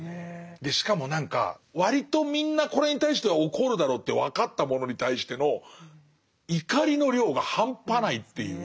でしかも何か割とみんなこれに対しては怒るだろうって分かったものに対しての怒りの量が半端ないっていう。